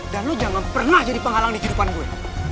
dan lo jangan pernah jadi penghalang di kehidupan gue